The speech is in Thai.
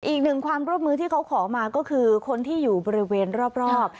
อีกหนึ่งความร่วมมือที่เขาขอมาก็คือคนที่อยู่บริเวณรอบ